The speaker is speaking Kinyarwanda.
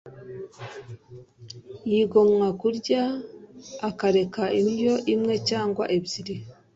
yigomwa kurya akareka indyo imwe cyangwa ebyiri